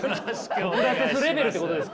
ソクラテスレベルってことですか？